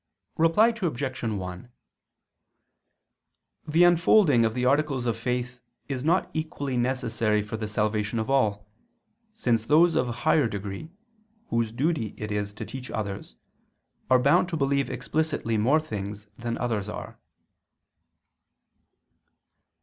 Reply Obj. 1: The unfolding of the articles of faith is not equally necessary for the salvation of all, since those of higher degree, whose duty it is to teach others, are bound to believe explicitly more things than others are.